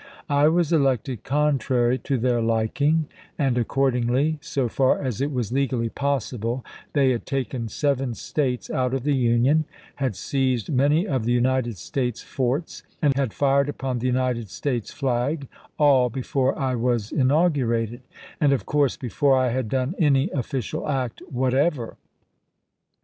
I was elected contrary to their liking; and, accordingly, so far as it was legally possible, they had taken seven States out of the Union, had seized many of the United States forts, and had fired upon the United States flag, all before I was inaugurated, and, of course, before I had done any official act whatever.